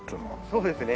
そうですね。